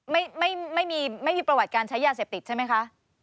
ไม่มีไม่มีประวัติการใช้ยาเสพติดใช่ไหมคะ